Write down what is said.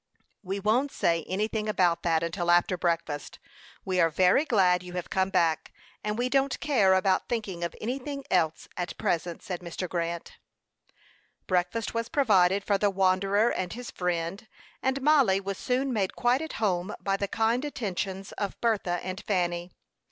"We won't say anything about that until after breakfast. We are very glad you have come back; and we don't care about thinking of anything else, at present," said Mr. Grant. Breakfast was provided for the wanderer and his friend, and Mollie was soon made quite at home by the kind attentions of Bertha and Fanny.